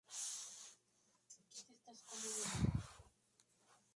El edificio al exterior presenta dos fachadas articuladas con similar concepto.